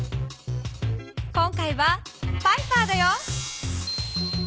今回はパイパーだよ。